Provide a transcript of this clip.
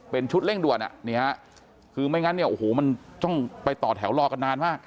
เป็นชุดเร่งด่วนอ่ะนี่ฮะคือไม่งั้นเนี่ยโอ้โหมันต้องไปต่อแถวรอกันนานมาก